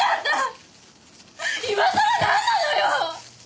今さらなんなのよ！